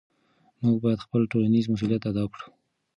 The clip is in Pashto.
موږ باید خپل ټولنیز مسؤلیت ادا کړو.